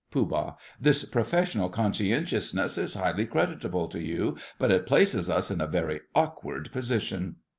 POOH. This professional conscientiousness is highly creditable to you, but it places us in a very awkward position.